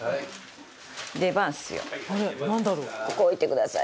ここ置いてください。